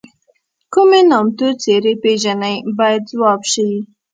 کومې نامتو څېرې پیژنئ باید ځواب شي.